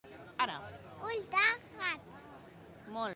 Ulls de gat.